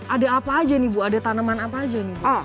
ada apa aja nih bu ada tanaman apa aja nih